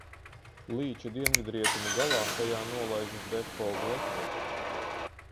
Līča dienvidrietumu galā tajā nolaižas Depo glečers.